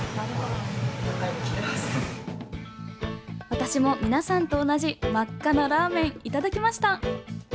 私も皆さんと同じ真っ赤なラーメンいただきました。